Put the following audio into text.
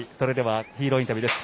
ヒーローインタビューです。